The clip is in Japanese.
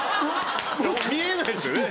見えないんですよね。